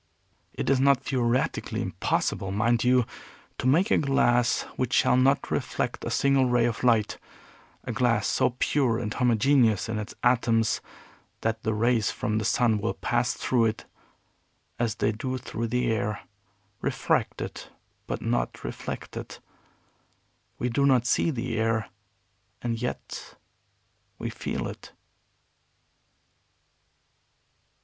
It is not theoretically impossible, mind you, to make a glass which shall not reflect a single ray of light, a glass so pure and homogeneous in its atoms that the rays from the sun will pass through it as they do through the air, refracted but not reflected. We do not see the air, and yet we feel it."